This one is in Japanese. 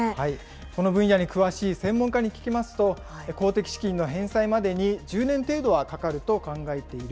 この分野に詳しい専門家に聞きますと、公的資金の返済までに１０年程度はかかると考えている。